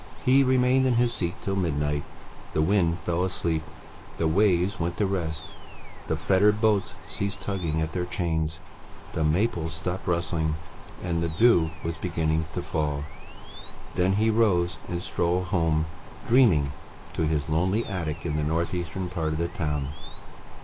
He remained in his seat till midnight; the wind fell asleep, the waves went to rest, the fettered boats ceased tugging at their chains; the maples stopped rustling, and the dew was beginning to fall. Then he rose and strolled home, dreaming, to his lonely attic in the north eastern part of the town.